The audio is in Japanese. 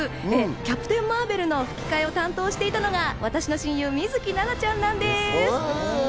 『キャプテン・マーベル』の吹き替えを担当していたのが私の親友・水樹奈々ちゃんなんです。